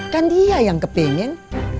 kan dia yang kepengen